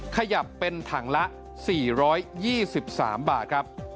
ขยับเป็นถังละ๔๒๓บาทครับ